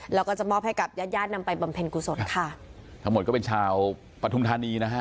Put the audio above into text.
แล้วก็จะมอบให้กับญาติญาตินำไปบำเพ็ญกุศลค่ะทั้งหมดก็เป็นชาวปฐุมธานีนะฮะ